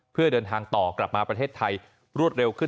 เพื่อเดินทางต่อกลับมาประเทศไทยรวดเร็วขึ้น